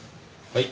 はい！